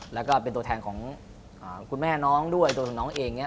แล้วก็เป็นตัวแทนของคุณแม่น้องด้วยตัวของน้องเองเนี่ย